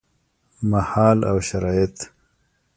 مهال او شرايط: